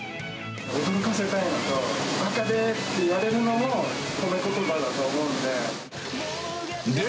驚かせたいのと、ばかでーって言われるのも、誉めことばだと思うんで。